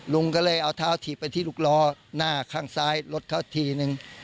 ลุงก็เลยเอาเท้าถีบไปที่ลูกล้อหน้าข้างซ้ายรถเขาทีนึง